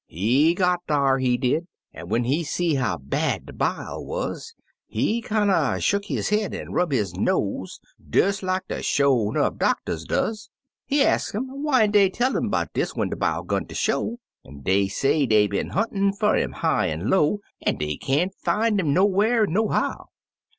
He got dar, he did, an' when he see how bad de bile wuz, he kinder shuck his head an' rub his nose des like de sho' 'nough doctors does. He ax um whyn't dey tell 'im 'bout dis when de bile 'gun ter show, an' dey say dey been huntin' fer 'im high an' low, an' dey can't fin' 'im nowhar an' nohow.